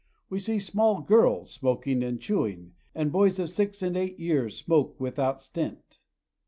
We see small girls smoking and chew ing, and boys of six and eight years smoke without stint.